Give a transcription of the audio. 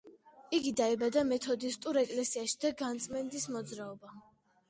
იგი დაიბადა მეთოდისტურ ეკლესიაში და განწმენდის მოძრაობა.